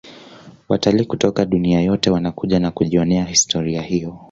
watalii kutoka duniani kote wanakuja na kujionea historia hiyo